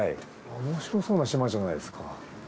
面白そうな島じゃないですか。